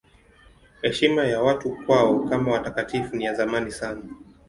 Heshima ya watu kwao kama watakatifu ni ya zamani sana.